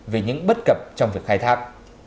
vì những bất cập trong việc khai thác